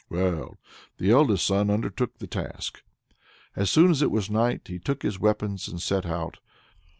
Well, the eldest son undertook the task. As soon as it was night, he took his weapons and set out.